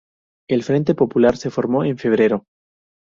El Frente Popular se formó en febrero.